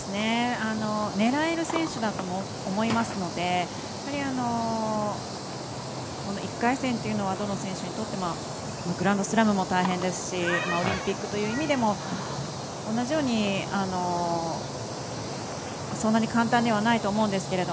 狙える選手だと思いますので１回戦というのはどの選手にとってもグランドスラムも大変ですしオリンピックという意味でも同じようにそんなに簡単ではないと思いますけど。